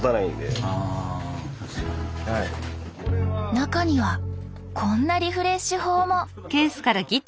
中にはこんなリフレッシュ法も！